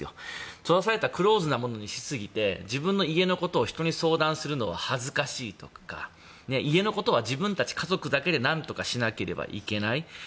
閉ざされたクローズなものにしすぎて自分の家のことを人に相談するのは恥ずかしいとか家のことは自分たち家族だけでなんとかしなければいけない。